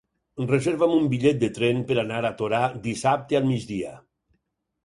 Reserva'm un bitllet de tren per anar a Torà dissabte al migdia.